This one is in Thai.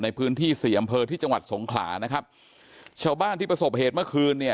ในพื้นที่สี่อำเภอที่จังหวัดสงขลานะครับชาวบ้านที่ประสบเหตุเมื่อคืนเนี่ย